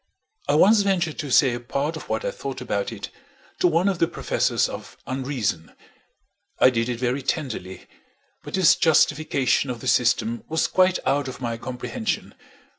I once ventured to say a part of what I thought about it to one of the Professors of Unreason. I did it very tenderly, but his justification of the system was quite out of my comprehension.